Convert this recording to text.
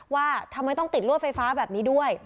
ว่าทำไมต้องติดลวดไฟฟ้าแบบนี้ด้วย